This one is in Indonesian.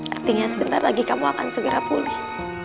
artinya sebentar lagi kamu akan segera pulih